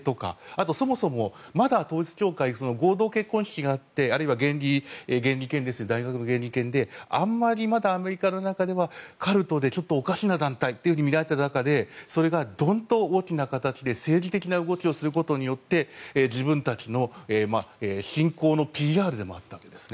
あとそもそも、まだ統一教会合同結婚式があってあるいは大学の原理研であまりまだアメリカの中ではカルトでおかしな団体とみられていた中でそれがどんと大きな形で政治的な動きをすることによって自分たちの信仰のＰＲでもあったわけです。